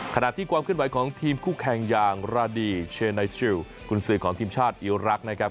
ขณะที่ความขึ้นไหวของทีมคู่แข่งอย่างราดีเชนายชิลกุญสือของทีมชาติอิรักษ์นะครับ